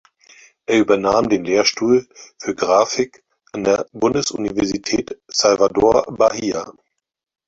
Er übernahm den Lehrstuhl für Graphik an der Bundesuniversität Salvador-Bahia.